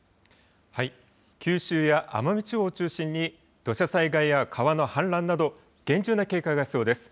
九州や奄美地方を中心に、土砂災害や川の氾濫など厳重な警戒が必要です。